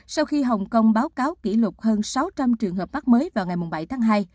sau khi hồng kông báo cáo kỷ lục hơn sáu trăm linh trường hợp mắc mới vào ngày bảy tháng hai